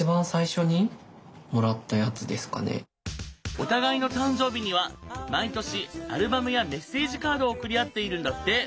お互いの誕生日には毎年アルバムやメッセージカードを送り合っているんだって。